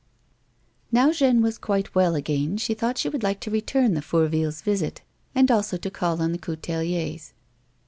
Now Jeanne was quite well again she thought she should like to return the Fourvilles' visit, and also to call on the Couteliers.